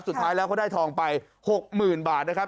สุดท้ายแล้วเขาได้ทองไป๖๐๐๐บาทนะครับ